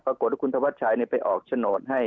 ปรากฏว่าคุณธวัชชัยไปออกโฉนดให้